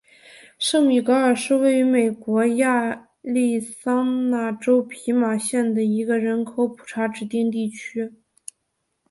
圣米格尔是位于美国亚利桑那州皮马县的一个人口普查指定地区。